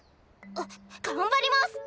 あっ頑張ります！